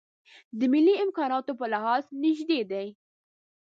د مالي امکاناتو په لحاظ نژدې دي.